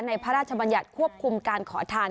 พระราชบัญญัติควบคุมการขอทาน